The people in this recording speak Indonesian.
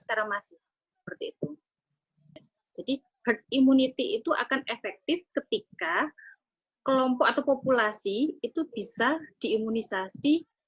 secara masif seperti itu jadi herd immunity itu akan efektif ketika kelompok atau populasi itu bisa diimunisasi